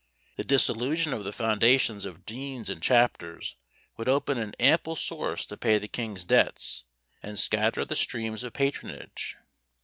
The dissolution of the foundations of deans and chapters would open an ample source to pay the king's debts, and scatter the streams of patronage.